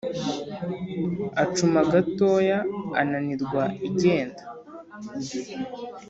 acuma gatoya ananirwa igenda,